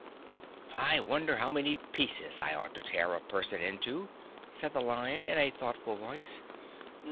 "I wonder how many pieces I ought to tear a person into," said the Lion, in a thoughtful voice.